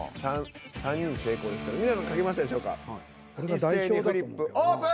一斉にフリップオープン。